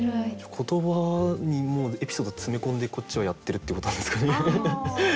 言葉にもうエピソード詰め込んでこっちはやってるっていうことなんですかね。